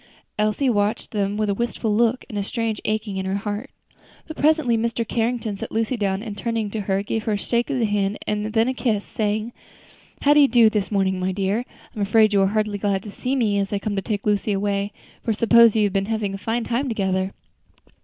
Elsie watched them with a wistful look and a strange aching at her heart. But presently Mr. Carrington set Lucy down and turning to her, gave her a shake of the hand, and then a kiss, saying, "How do you do this morning, my dear? I'm afraid you are hardly glad to see me, as I come to take Lucy away, for I suppose you have been having fine times together."